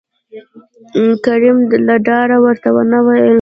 کريم له ډاره ورته ونه ويل